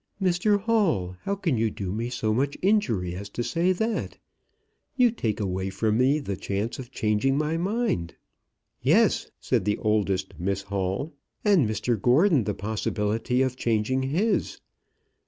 "Mr Hall, how can you do me so much injury as to say that? You take away from me the chance of changing my mind." "Yes," said the oldest Miss Hall; "and Mr Gordon the possibility of changing his.